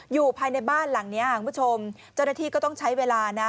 อยู่ภายในบ้านหลังนี้จริงที่ก็ต้องใช้เวลานะ